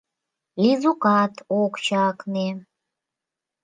— Лизукат ок чакне.